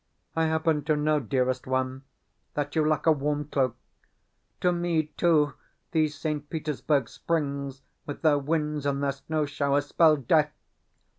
I happen to know, dearest one, that you lack a warm cloak. To me too, these St. Petersburg springs, with their winds and their snow showers, spell death.